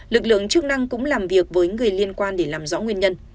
lực lượng chức năng cũng làm việc với người liên quan để làm rõ nguyên nhân